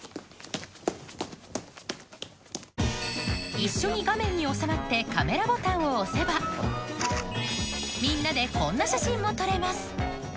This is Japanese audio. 一緒に画面に収まってカメラボタンを押せばみんなでこんな写真も撮れます